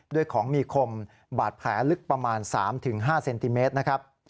ด้วยของมีคมบาดแผลลึกประมาณ๓๕เซนติเมตรนะครับ